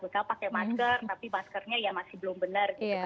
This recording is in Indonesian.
misalnya pakai masker tapi maskernya masih belum benar